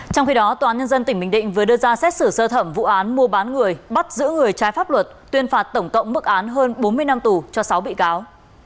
trong khi đó tòa án nhân dân tỉnh bình định vừa đưa ra xét xử sơ thẩm vụ án mua bán người bắt giữ người trái pháp luật tuyên phạt tổng cộng mức án hơn bốn mươi năm tù cho sáu bị cáo